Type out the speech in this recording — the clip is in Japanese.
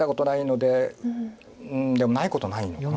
でもないことはないのかな。